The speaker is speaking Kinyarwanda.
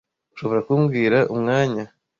Ushobora kumbwira umwanya?